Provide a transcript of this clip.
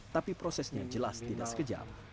tapi prosesnya jelas tidak sekejap